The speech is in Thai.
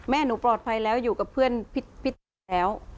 แม่หนูปลอดภัยแล้วอยู่กับเพื่อนผิดแล้ว